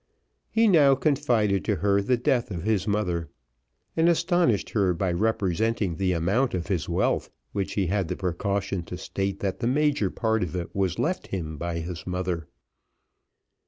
He now confided to her the death of his mother, and astonished her by representing the amount of his wealth, which he had the precaution to state, that the major part of it was left him by his mother.